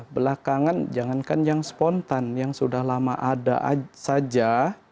belakangan jangankan yang spontan yang sudah lama ada saja